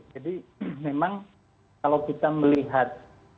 jadi memang kalau kita melihat